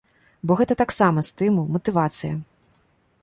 Бо гэта таксама стымул, матывацыя.